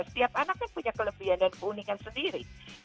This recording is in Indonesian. setiap anak kan punya kelebihan dan keunikan sendiri